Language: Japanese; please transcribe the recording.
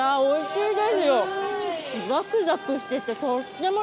おいしいです。